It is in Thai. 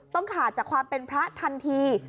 ขาดจากความเป็นพระทันที